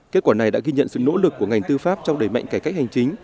kết quả này đã ghi nhận sự nỗ lực của ngành tư pháp trong đẩy mạnh cải cách hành chính